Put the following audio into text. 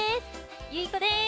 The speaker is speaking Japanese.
ゆいこです！